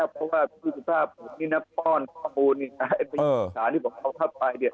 เพราะว่าถ้าบุญนักฟรรณข้อมูลข้อมูลของเขาเข้าไป